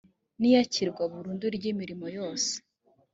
n iyakirwa burundu ry imirimo yose